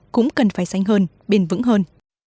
cũng cần phải xanh hơn bền vững hơn